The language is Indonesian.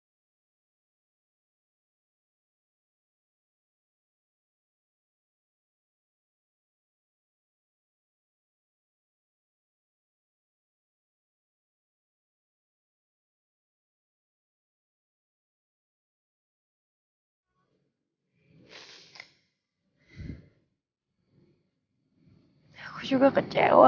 kenapa pernikahan kita harus batal